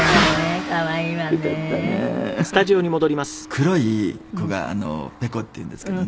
黒い子がペコっていうんですけどね